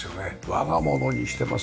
我が物にしてます。